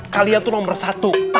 kalian tuh nomor satu